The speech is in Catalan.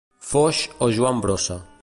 Foix o Joan Brossa.